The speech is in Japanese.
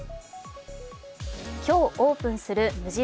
今日オープンする無印